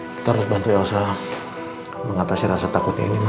kita harus bantu elsa mengatasi rasa takutnya ini